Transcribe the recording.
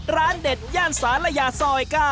ร้านเด็ดย่านศาลยาซอย๙